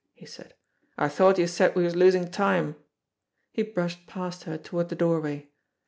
he said. "I thought you said we was losing time." He brushed past her toward the doorway.